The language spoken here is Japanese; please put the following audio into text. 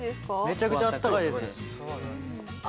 めちゃくちゃあったかいですね